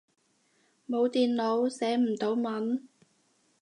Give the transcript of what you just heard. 冇電腦，寫唔到文